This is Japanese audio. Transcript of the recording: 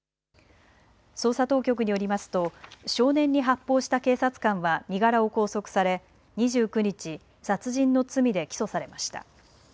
捜査当局によりますと少年に発砲した警察官は身柄を拘束され２９日、殺人の罪で起訴されました。